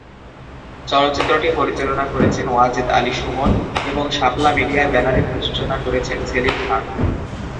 চলচ্চিত্রটি পরিচালনা করেছেন ওয়াজেদ আলী সুমন এবং শাপলা মিডিয়ার ব্যানারে প্রযোজনা করেছেন সেলিম খান।